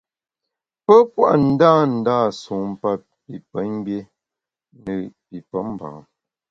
Pe pua’ ndândâ sumpa pi pemgbié ne pi pemba.